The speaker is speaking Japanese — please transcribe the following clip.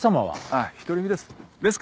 あっ独り身です。